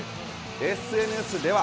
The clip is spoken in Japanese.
ＳＮＳでは、